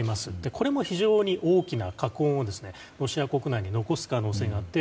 これも非常に大きな禍根をロシア国内に残す可能性があって。